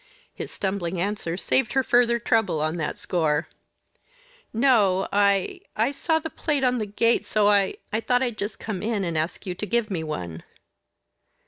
His stumbling answer saved her further trouble on that score. "No, I I saw the plate on the gate, so I I thought I'd just come in and ask you to give me one."